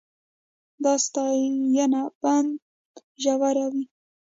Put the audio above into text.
دا ستاینه بند ژوروي.